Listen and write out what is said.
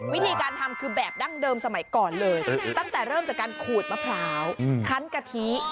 วิธีการทำคือแบบดั้งเดิมสมัยก่อนเลยตั้งแต่เริ่มจากการขูดมะพร้าวคันกะทิ